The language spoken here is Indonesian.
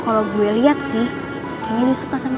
kalo gue liat sih kayaknya dia suka sama lo